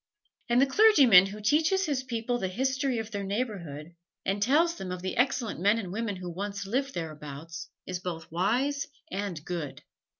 And the clergyman who teaches his people the history of their neighborhood, and tells them of the excellent men and women who once lived thereabouts, is both wise and good.